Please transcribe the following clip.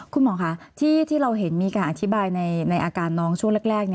คุณหมอคะที่เราเห็นมีการอธิบายในอาการน้องช่วงแรก